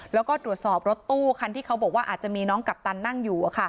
แล้วก็ตรวจสอบรถตู้คันที่เขาบอกว่าอาจจะมีน้องกัปตันนั่งอยู่